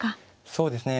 そうですね